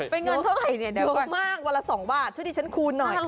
เป็นเงินเท่าไหร่เนี่ยเยอะมากวันละ๒บาทช่วยดิฉันคูณหน่อย